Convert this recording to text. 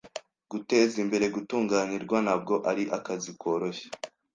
Gutezimbere gutunganirwa ntabwo ari akazi koroshye.